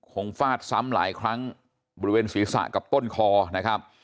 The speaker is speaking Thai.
ฟาดซ้ำหลายครั้งบริเวณศีรษะกับต้นคอนะครับ